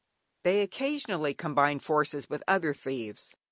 They occasionally combine forces with other thieves.